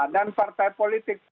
dan partai politik